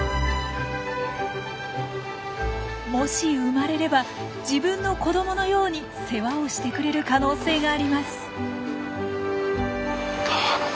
もし生まれれば自分の子どものように世話をしてくれる可能性があります。